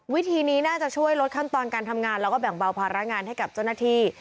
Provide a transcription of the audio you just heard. วิธีนี้น่าจะช่วยลดขั้นตอนการทำงานแล้วก็แบ่งเบาภาระงานให้กับเจ้าหน้าที่